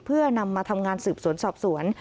เพื่อนำมาทำงานสืบสวนสอบสวน